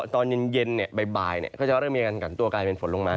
ตอนเย็นบ่ายก็จะเริ่มมีการกันตัวกลายเป็นฝนลงมา